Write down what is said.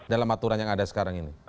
dalam aturan yang ada sekarang ini